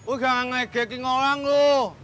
udah gak ngegekin orang lu